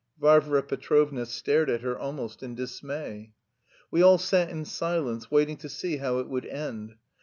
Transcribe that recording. Varvara Petrovna stared at her almost in dismay. We all sat in silence, waiting to see how it would end.